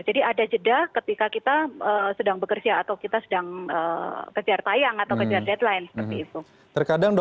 jadi ada jeda ketika kita sedang bekerja atau kita sedang kejar tayang atau kejar deadline seperti itu